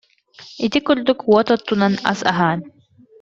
Ити курдук уот оттунан, ас аһаан